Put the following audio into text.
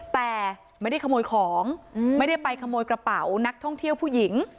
แต่ไม่ได้ขโมยของไม่ได้ไปขโมยกระเป๋านักท่องเที่ยวผู้หญิง